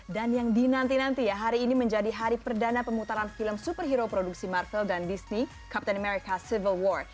dan yang dinanti nanti ya hari ini menjadi hari perdana pemutaran film superhero produksi marvel dan disney captain america civil war